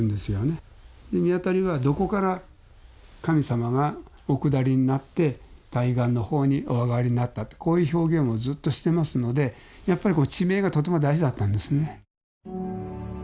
御神渡りはどこから神様がおくだりになって対岸の方におあがりになったこういう表現をずっとしていますのでやっぱり地名がとても大事だったんですね。